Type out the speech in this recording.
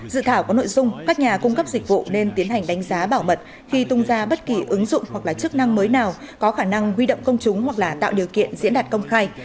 dự thảo có nội dung các nhà cung cấp dịch vụ nên tiến hành đánh giá bảo mật khi tung ra bất kỳ ứng dụng hoặc là chức năng mới nào có khả năng huy động công chúng hoặc là tạo điều kiện diễn đạt công khai